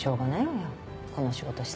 この仕事してたら。